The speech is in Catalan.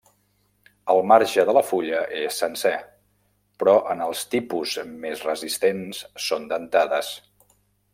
El marge de la fulla és sencer, però en els tipus més resistents són dentades.